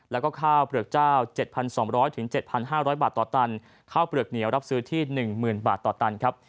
แล้วก็ข้าวเปลือกเจ้าเจ็ดพันสองร้อยถึงเจ็ดพันห้าร้อยบาทต่อตันข้าวเปลือกเหนียวรับซื้อที่หนึ่งหมื่นบาทต่อตันครับ